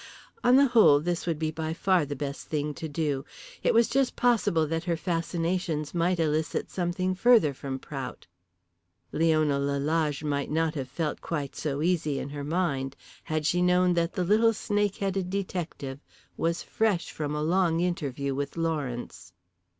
On the whole, this would be by far the best thing to do. It was just possible that her fascinations might elicit something further from Prout. Leona Lalage might not have felt quite so easy in her mind had she known that the little snake headed detective was fresh from a long interview with Lawrence.